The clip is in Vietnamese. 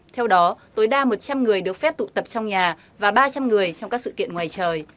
theo đó tối đa một trăm linh người được phép tụ tập trong nhà và ba trăm linh người trong các sự kiện ngoài trời